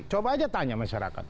coba saja tanya masyarakat